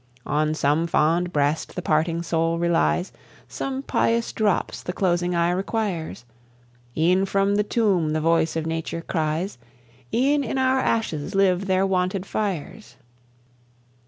On some fond breast the parting soul relies, Some pious drops the closing eye requires; E'en from the tomb the voice of Nature cries, E'en in our ashes live their wonted fires.